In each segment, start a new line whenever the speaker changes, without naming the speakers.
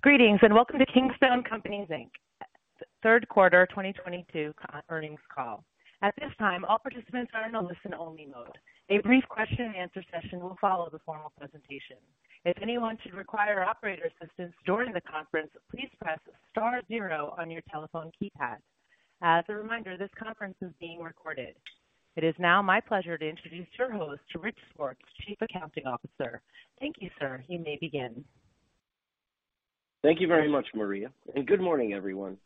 Greetings, welcome to Kingstone Companies, Inc. third quarter 2022 earnings call. At this time, all participants are in a listen-only mode. A brief question-and-answer session will follow the formal presentation. If anyone should require operator assistance during the conference, please press star zero on your telephone keypad. As a reminder, this conference is being recorded. It is now my pleasure to introduce your host, Rich Swartz, Chief Accounting Officer. Thank you, sir. You may begin.
Thank you very much, Maria, and good morning, everyone.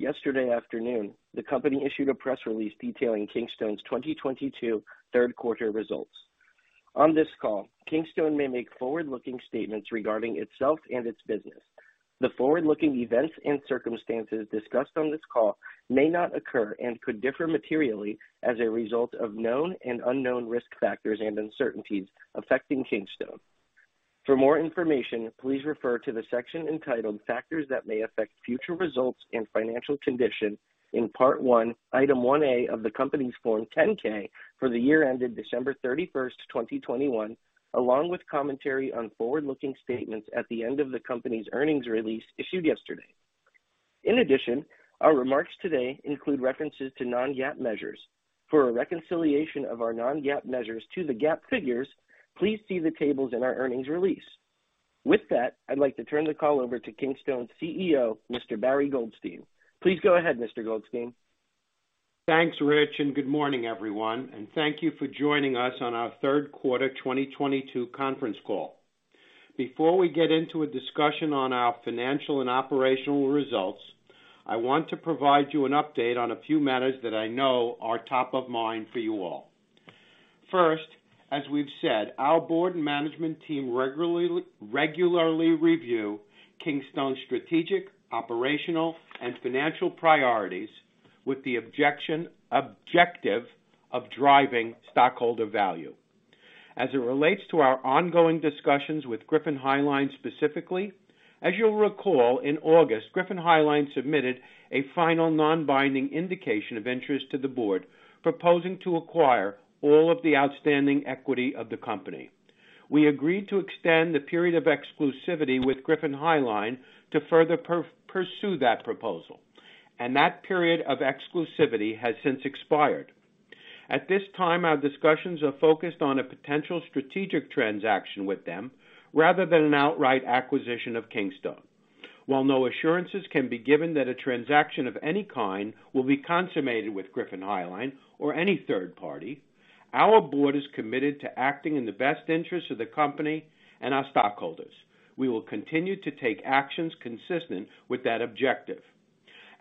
Yesterday afternoon, the company issued a press release detailing Kingstone's 2022 third quarter results. On this call, Kingstone may make forward-looking statements regarding itself and its business. The forward-looking events and circumstances discussed on this call may not occur and could differ materially as a result of known and unknown risk factors and uncertainties affecting Kingstone. For more information, please refer to the section entitled Factors That May Affect Future Results and Financial Condition in Part I, Item 1A of the company's Form 10-K for the year ended December 31st, 2021, along with commentary on forward-looking statements at the end of the company's earnings release issued yesterday. In addition, our remarks today include references to non-GAAP measures. For a reconciliation of our non-GAAP measures to the GAAP figures, please see the tables in our earnings release. With that, I'd like to turn the call over to Kingstone's CEO, Mr. Barry Goldstein. Please go ahead, Mr. Goldstein.
Thanks, Rich, and good morning, everyone. Thank you for joining us on our third quarter 2022 conference call. Before we get into a discussion on our financial and operational results, I want to provide you an update on a few matters that I know are top of mind for you all. First, as we've said, our board and management team regularly review Kingstone's strategic, operational, and financial priorities with the objective of driving stockholder value. As it relates to our ongoing discussions with Griffin Highline Capital specifically, as you'll recall, in August, Griffin Highline Capital submitted a final non-binding indication of interest to the board, proposing to acquire all of the outstanding equity of the company. We agreed to extend the period of exclusivity with Griffin Highline Capital to further pursue that proposal, and that period of exclusivity has since expired. At this time, our discussions are focused on a potential strategic transaction with them rather than an outright acquisition of Kingstone. While no assurances can be given that a transaction of any kind will be consummated with Griffin Highline Capital or any third party, our board is committed to acting in the best interest of the company and our stockholders. We will continue to take actions consistent with that objective.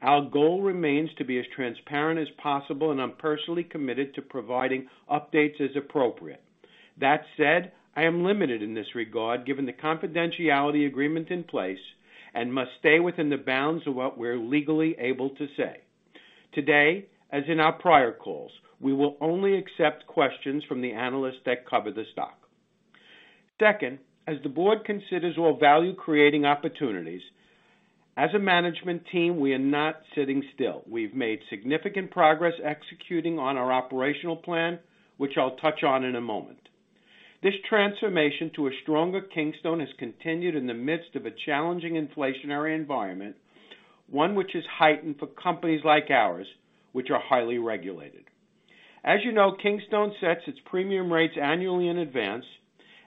Our goal remains to be as transparent as possible, and I'm personally committed to providing updates as appropriate. That said, I am limited in this regard, given the confidentiality agreement in place, and must stay within the bounds of what we're legally able to say. Today, as in our prior calls, we will only accept questions from the analysts that cover the stock. Second, as the board considers all value-creating opportunities, as a management team, we are not sitting still. We've made significant progress executing on our operational plan, which I'll touch on in a moment. This transformation to a stronger Kingstone has continued in the midst of a challenging inflationary environment, one which is heightened for companies like ours, which are highly regulated. As you know, Kingstone sets its premium rates annually in advance,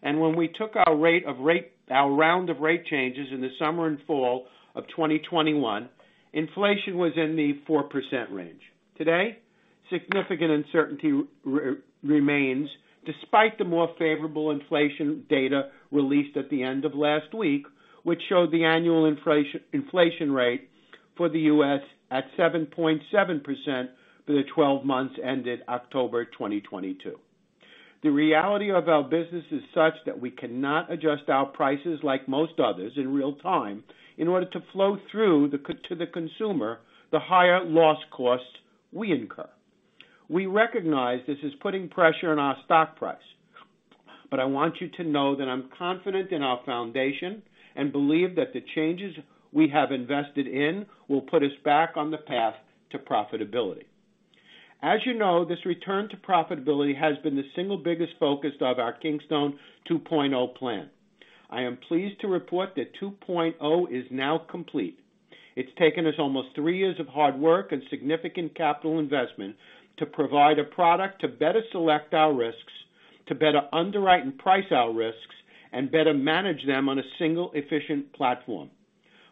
and when we took our round of rate changes in the summer and fall of 2021, inflation was in the 4% range. Today, significant uncertainty remains despite the more favorable inflation data released at the end of last week, which showed the annual inflation rate for the U.S. at 7.7% for the twelve months ended October 2022. The reality of our business is such that we cannot adjust our prices like most others in real time in order to flow through to the consumer, the higher loss cost we incur. We recognize this is putting pressure on our stock price, but I want you to know that I'm confident in our foundation and believe that the changes we have invested in will put us back on the path to profitability. As you know, this return to profitability has been the single biggest focus of our Kingstone 2.0 plan. I am pleased to report that 2.0 is now complete. It's taken us almost three years of hard work and significant capital investment to provide a product to better select our risks, to better underwrite and price our risks, and better manage them on a single efficient platform.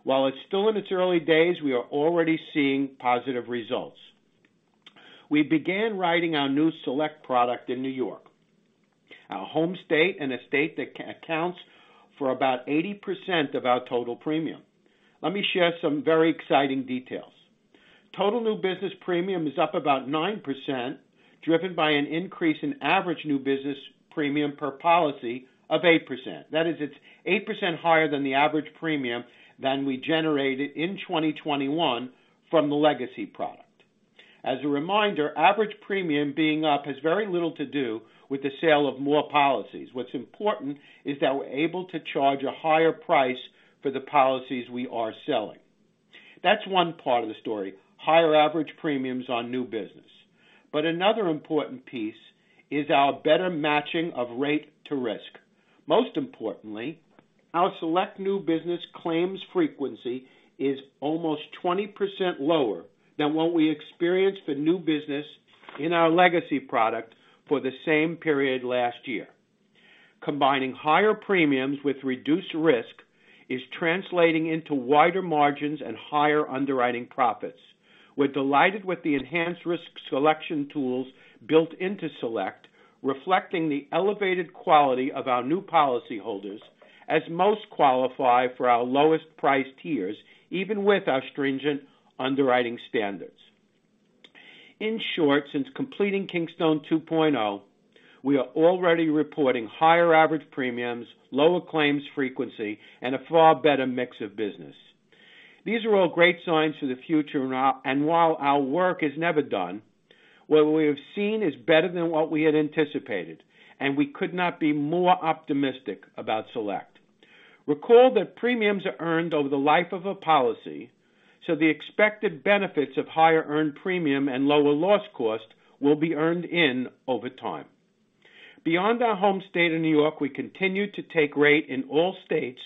While it's still in its early days, we are already seeing positive results. We began writing our new Select product in New York, our home state, and a state that accounts for about 80% of our total premium. Let me share some very exciting details. Total new business premium is up about 9%, driven by an increase in average new business premium per policy of 8%. That is, it's 8% higher than the average premium that we generated in 2021 from the legacy product. As a reminder, average premium being up has very little to do with the sale of more policies. What's important is that we're able to charge a higher price for the policies we are selling. That's one part of the story, higher average premiums on new business. Another important piece is our better matching of rate to risk. Most importantly, our Select new business claims frequency is almost 20% lower than what we experienced with new business in our legacy product for the same period last year. Combining higher premiums with reduced risk is translating into wider margins and higher underwriting profits. We're delighted with the enhanced risk selection tools built into Select, reflecting the elevated quality of our new policyholders, as most qualify for our lowest price tiers, even with our stringent underwriting standards. In short, since completing Kingstone 2.0, we are already reporting higher average premiums, lower claims frequency, and a far better mix of business. These are all great signs for the future, and while our work is never done, what we have seen is better than what we had anticipated, and we could not be more optimistic about Select. Recall that premiums are earned over the life of a policy, so the expected benefits of higher earned premium and lower loss costs will be earned over time. Beyond our home state of New York, we continue to take rate in all states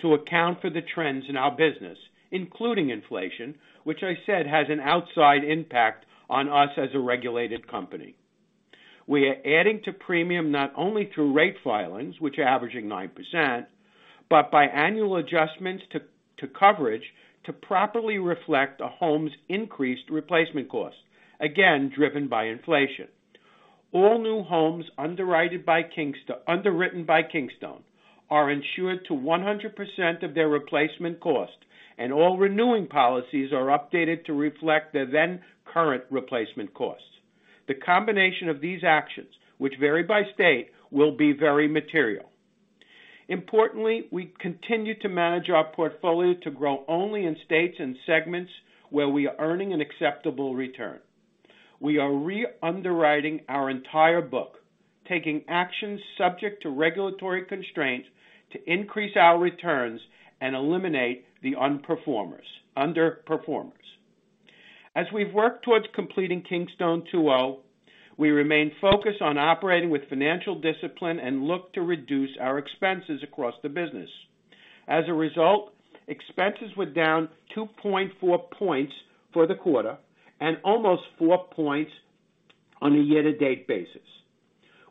to account for the trends in our business, including inflation, which I said has an outsized impact on us as a regulated company. We are adding to premium not only through rate filings, which are averaging 9%, but by annual adjustments to coverage to properly reflect a home's increased replacement cost, again, driven by inflation. All new homes underwritten by Kingstone are insured to 100% of their replacement cost, and all renewing policies are updated to reflect their then current replacement costs. The combination of these actions, which vary by state, will be very material. Importantly, we continue to manage our portfolio to grow only in states and segments where we are earning an acceptable return. We are re-underwriting our entire book, taking actions subject to regulatory constraints to increase our returns and eliminate the underperformers. As we've worked towards completing Kingstone 2.0, we remain focused on operating with financial discipline and look to reduce our expenses across the business. As a result, expenses were down 2.4 points for the quarter and almost 4 points on a year-to-date basis.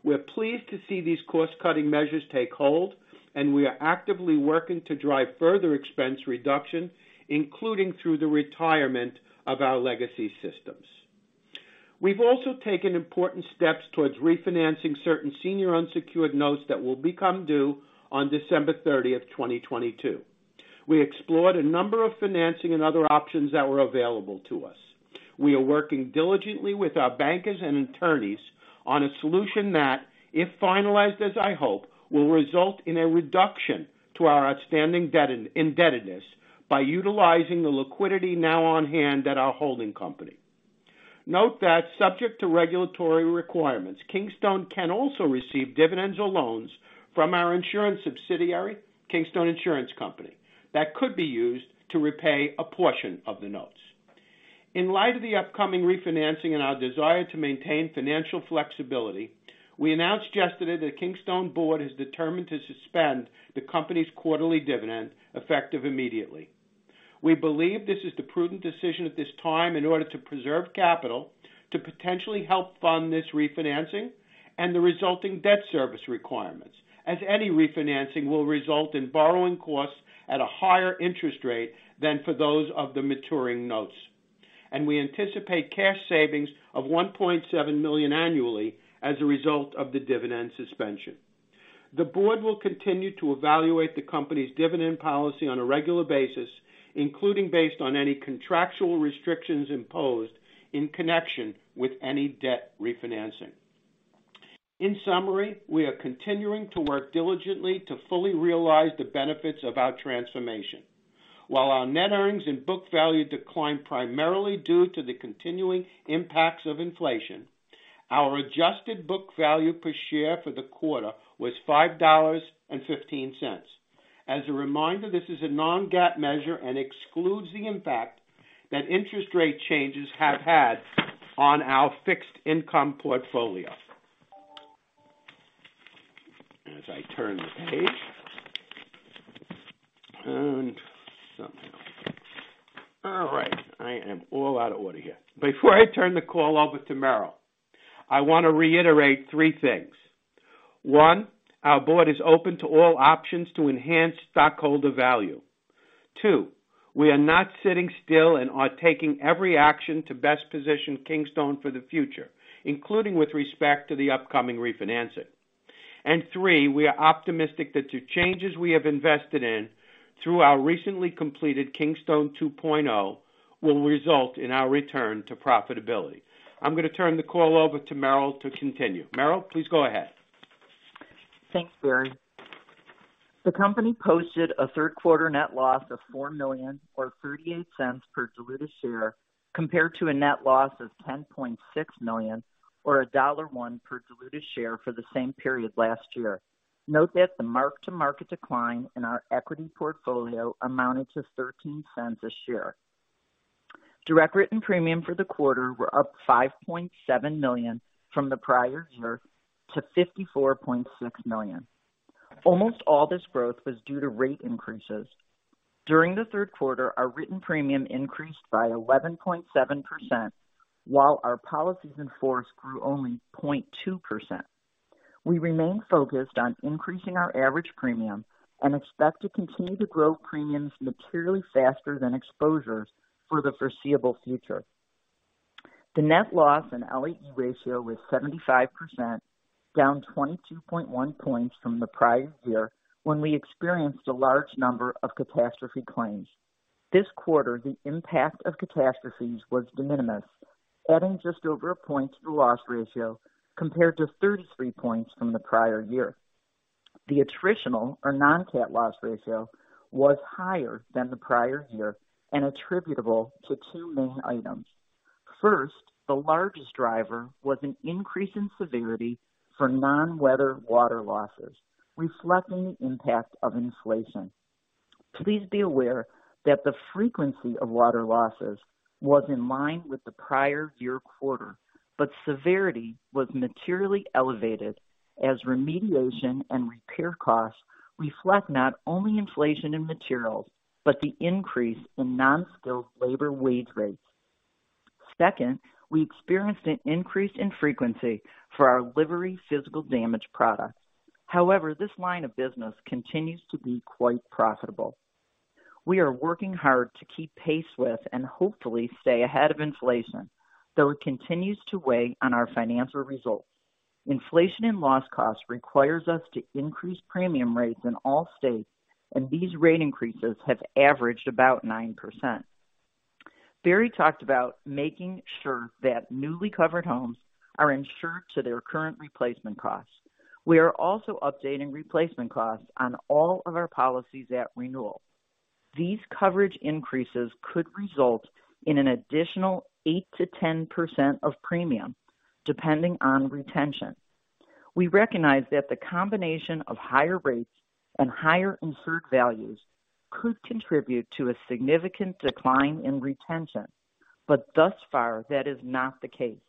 We're pleased to see these cost-cutting measures take hold, and we are actively working to drive further expense reduction, including through the retirement of our legacy systems. We've also taken important steps towards refinancing certain senior unsecured notes that will become due on December 30, 2022. We explored a number of financing and other options that were available to us. We are working diligently with our bankers and attorneys on a solution that, if finalized, as I hope, will result in a reduction to our outstanding debt and indebtedness by utilizing the liquidity now on hand at our holding company. Note that subject to regulatory requirements, Kingstone can also receive dividends or loans from our insurance subsidiary, Kingstone Insurance Company, that could be used to repay a portion of the notes. In light of the upcoming refinancing and our desire to maintain financial flexibility, we announced yesterday that the Kingstone board is determined to suspend the company's quarterly dividend effective immediately. We believe this is the prudent decision at this time in order to preserve capital to potentially help fund this refinancing and the resulting debt service requirements, as any refinancing will result in borrowing costs at a higher interest rate than for those of the maturing notes. We anticipate cash savings of $1.7 million annually as a result of the dividend suspension. The board will continue to evaluate the company's dividend policy on a regular basis, including based on any contractual restrictions imposed in connection with any debt refinancing. In summary, we are continuing to work diligently to fully realize the benefits of our transformation. While our net earnings and book value declined primarily due to the continuing impacts of inflation, our adjusted book value per share for the quarter was $5.15. As a reminder, this is a non-GAAP measure and excludes the impact that interest rate changes have had on our fixed income portfolio. As I turn the page. Something else. All right, I am all out of order here. Before I turn the call over to Meryl, I want to reiterate three things. One, our board is open to all options to enhance stockholder value. Two, we are not sitting still and are taking every action to best position Kingstone for the future, including with respect to the upcoming refinancing. Three, we are optimistic that the changes we have invested in through our recently completed Kingstone 2.0 will result in our return to profitability. I'm going to turn the call over to Meryl to continue. Meryl, please go ahead.
Thanks, Barry. The company posted a third quarter net loss of $4 million or $0.38 per diluted share, compared to a net loss of $10.6 million or $1.01 per diluted share for the same period last year. Note that the mark-to-market decline in our equity portfolio amounted to $0.13 a share. Direct written premium for the quarter were up $5.7 million from the prior year to $54.6 million. Almost all this growth was due to rate increases. During the third quarter, our written premium increased by 11.7%, while our policies in force grew only 0.2%. We remain focused on increasing our average premium and expect to continue to grow premiums materially faster than exposures for the foreseeable future. The net loss in LAE ratio was 75%, down 22.1 points from the prior year, when we experienced a large number of catastrophe claims. This quarter, the impact of catastrophes was de minimis, adding just over a point to the loss ratio compared to 33 points from the prior year. The attritional or non-cat loss ratio was higher than the prior year and attributable to two main items. First, the largest driver was an increase in severity for non-weather water losses, reflecting the impact of inflation. Please be aware that the frequency of water losses was in line with the prior year quarter, but severity was materially elevated as remediation and repair costs reflect not only inflation in materials, but the increase in non-skilled labor wage rates. Second, we experienced an increase in frequency for our livery physical damage product. However, this line of business continues to be quite profitable. We are working hard to keep pace with and hopefully stay ahead of inflation, though it continues to weigh on our financial results. Inflation in loss costs requires us to increase premium rates in all states, and these rate increases have averaged about 9%. Barry talked about making sure that newly covered homes are insured to their current replacement costs. We are also updating replacement costs on all of our policies at renewal. These coverage increases could result in an additional 8%-10% of premium depending on retention. We recognize that the combination of higher rates and higher insured values could contribute to a significant decline in retention, but thus far that is not the case.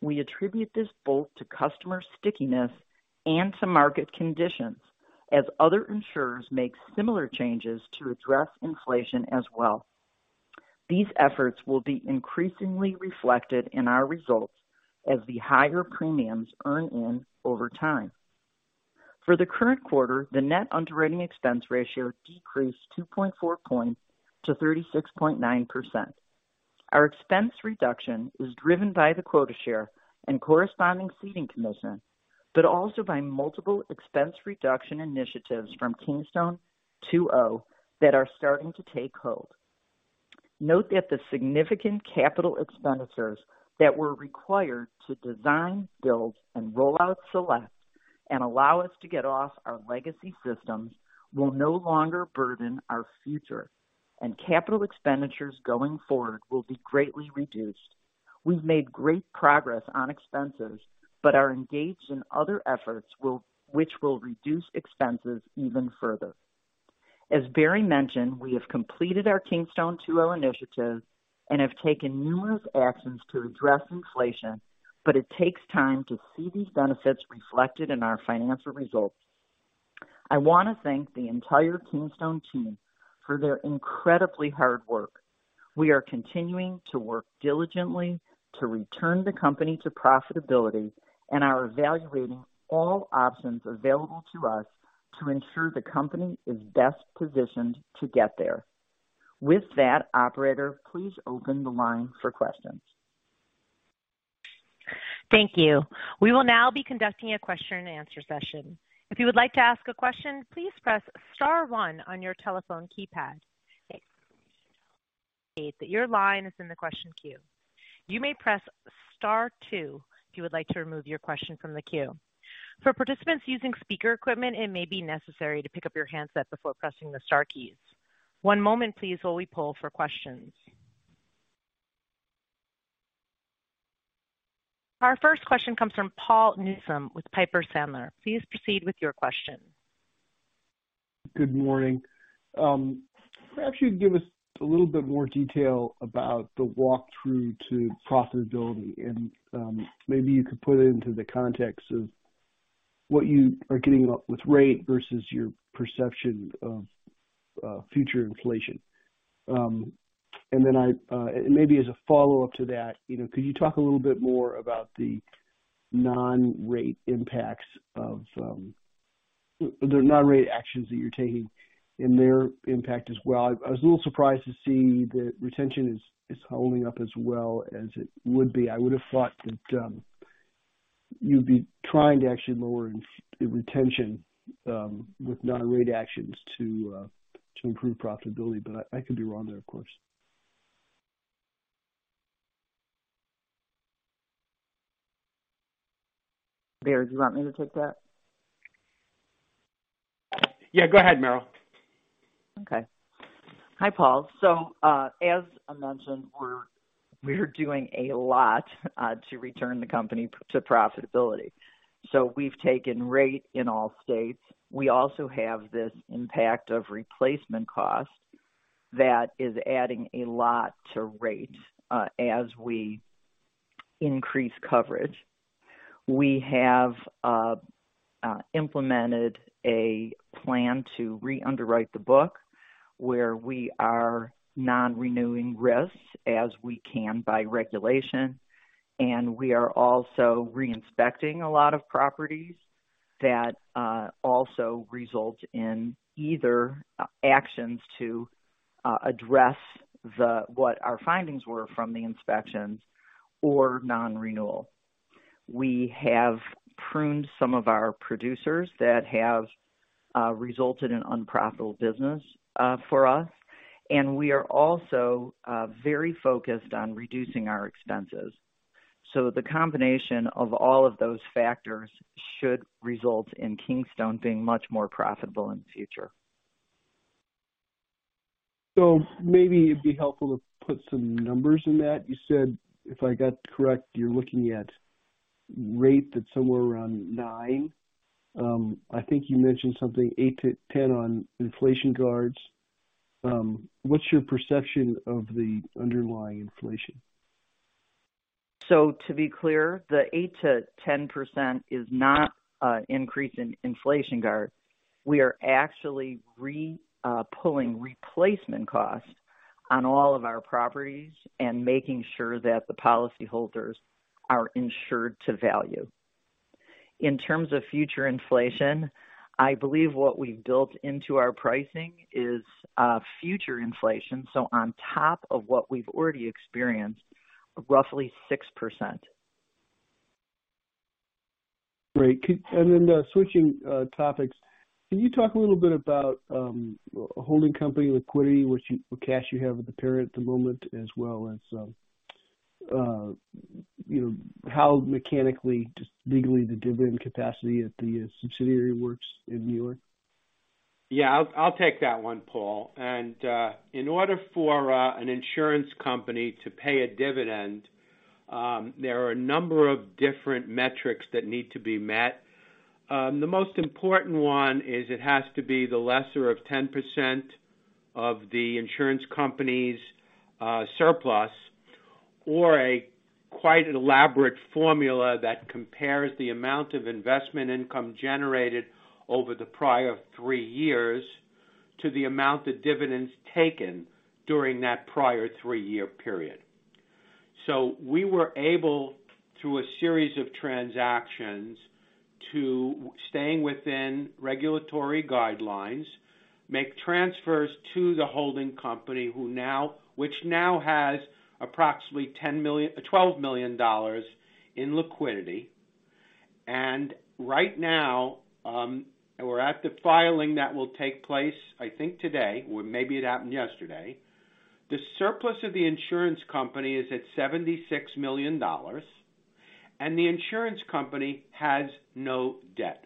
We attribute this both to customer stickiness and to market conditions as other insurers make similar changes to address inflation as well. These efforts will be increasingly reflected in our results as the higher premiums earn in over time. For the current quarter, the net underwriting expense ratio decreased 2.4 points to 36.9%. Our expense reduction is driven by the quota share and corresponding ceding commission, but also by multiple expense reduction initiatives from Kingstone 2.0 that are starting to take hold. Note that the significant capital expenditures that were required to design, build, and roll out Select and allow us to get off our legacy systems will no longer burden our future, and capital expenditures going forward will be greatly reduced. We've made great progress on expenses, but are engaged in other efforts, which will reduce expenses even further. As Barry mentioned, we have completed our Kingstone 2.0 initiative and have taken numerous actions to address inflation, but it takes time to see these benefits reflected in our financial results. I want to thank the entire Kingstone team for their incredibly hard work. We are continuing to work diligently to return the company to profitability and are evaluating all options available to us to ensure the company is best positioned to get there. With that, operator, please open the line for questions.
Thank you. We will now be conducting a question-and-answer session. If you would like to ask a question, please press star one on your telephone keypad. Indicate that your line is in the question queue. You may press star two if you would like to remove your question from the queue. For participants using speaker equipment, it may be necessary to pick up your handset before pressing the star keys. One moment please while we poll for questions. Our first question comes from Paul Newsome with Piper Sandler. Please proceed with your question.
Good morning. Perhaps you'd give us a little bit more detail about the walkthrough to profitability and, maybe you could put it into the context of what you are getting with rate versus your perception of future inflation. Then, maybe as a follow-up to that, you know, could you talk a little bit more about the non-rate impacts of the non-rate actions that you're taking and their impact as well? I was a little surprised to see that retention is holding up as well as it would be. I would have thought that you'd be trying to actually lower retention with non-rate actions to improve profitability, but I could be wrong there, of course.
Barry, do you want me to take that?
Yeah, go ahead, Meryl.
Okay. Hi, Paul. As I mentioned, we're doing a lot to return the company to profitability. We've taken rate in all states. We also have this impact of replacement cost that is adding a lot to rate as we increase coverage. We have implemented a plan to re-underwrite the book where we are non-renewing risks as we can by regulation, and we are also reinspecting a lot of properties that also result in either actions to address what our findings were from the inspections or non-renewal. We have pruned some of our producers that have resulted in unprofitable business for us, and we are also very focused on reducing our expenses. The combination of all of those factors should result in Kingstone being much more profitable in the future.
Maybe it'd be helpful to put some numbers in that. You said, if I got it correct, you're looking at rate that's somewhere around 9%. I think you mentioned something 8%-10% on inflation guards. What's your perception of the underlying inflation?
To be clear, the 8%-10% is not increase in inflation guard. We are actually pulling replacement costs on all of our properties and making sure that the policyholders are insured to value. In terms of future inflation, I believe what we've built into our pricing is future inflation, so on top of what we've already experienced, roughly 6%.
Great. Switching topics, can you talk a little bit about holding company liquidity, what cash you have with the parent at the moment, as well as, you know, how mechanically, just legally the dividend capacity at the subsidiary works in New York?
Yeah, I'll take that one, Paul. In order for an insurance company to pay a dividend, there are a number of different metrics that need to be met. The most important one is it has to be the lesser of 10% of the insurance company's surplus or a quite elaborate formula that compares the amount of investment income generated over the prior three years to the amount of dividends taken during that prior three-year period. We were able, through a series of transactions, to staying within regulatory guidelines, make transfers to the holding company which now has approximately $10 million-$12 million in liquidity. Right now, we're at the filing that will take place, I think today, or maybe it happened yesterday. The surplus of the insurance company is at $76 million, and the insurance company has no debt.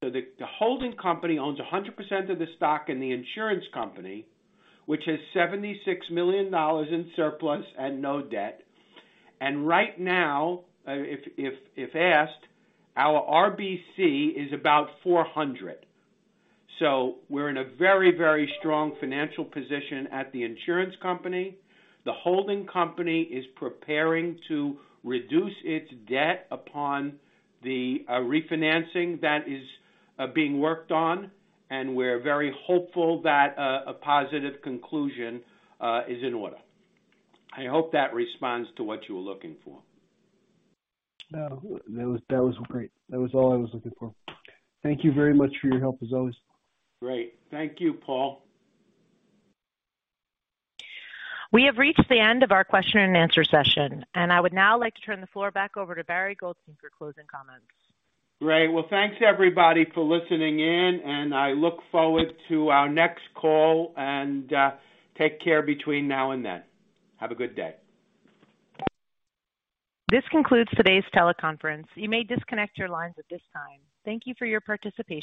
The holding company owns 100% of the stock in the insurance company, which has $76 million in surplus and no debt. Right now, if asked, our RBC is about 400. We're in a very, very strong financial position at the insurance company. The holding company is preparing to reduce its debt upon the refinancing that is being worked on. We're very hopeful that a positive conclusion is in order. I hope that responds to what you were looking for.
No, that was great. That was all I was looking for. Thank you very much for your help as always.
Great. Thank you, Paul.
We have reached the end of our question and answer session, and I would now like to turn the floor back over to Barry Goldstein for closing comments.
Great. Well, thanks everybody for listening in, and I look forward to our next call and take care between now and then. Have a good day.
This concludes today's teleconference. You may disconnect your lines at this time. Thank you for your participation.